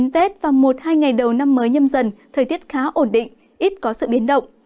tết và một hai ngày đầu năm mới nhâm dần thời tiết khá ổn định ít có sự biến động